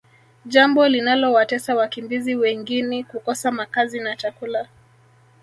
jambo linalowatesa wakimbizi wengini kukosa makazi na chakula